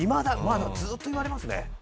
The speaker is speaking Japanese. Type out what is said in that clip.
ずーっと言われますね。